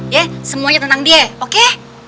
ya semuanya tentang dia oke